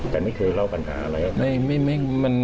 แต่ไม่เคยเล่าปัญหาอะไรหรือเปล่า